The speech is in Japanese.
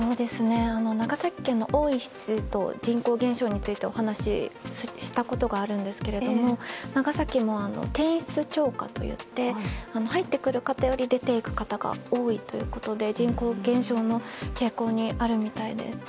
長崎県の大石知事と人口減少についてお話したことがあるんですが長崎も、転出超過といって入ってくる方より出て行く方が多いということで人口減少の傾向にあるみたいです。